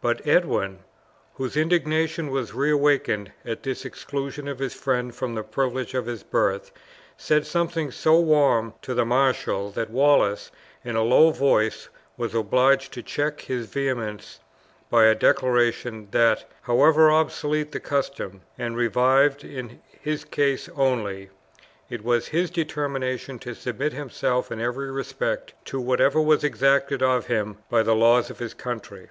But Edwin, whose indignation was reawakened at this exclusion of his friend from the privilege of his birth, said something so warm to the marshal that Wallace, in a low voice, was obliged to check his vehemence by a declaration, that, however obsolete the custom, and revived in his case only, it was his determination to submit himself in every respect to whatever was exacted of him by the laws of his country.